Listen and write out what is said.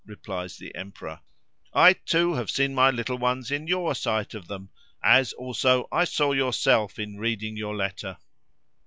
replies the Emperor, "I too have seen my little ones in your sight of them; as, also, I saw yourself in reading your letter.